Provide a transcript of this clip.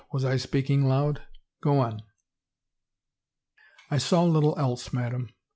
Was I speaking aloud? Go on." " I saw little else, madame.